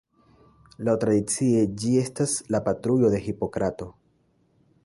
Laŭtradicie ĝi estas la patrujo de Hipokrato.